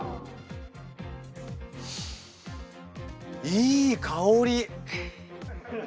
いい香り。